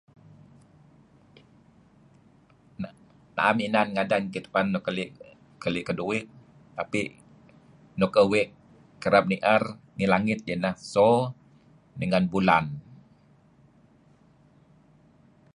Na'em inan ngadan gitu'en luk keli' keduih tapi nuk uih kereb ni'er ngi langit iyeh neh so, dengan bulan.